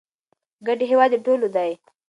ګډ هېواد د ټولو دی.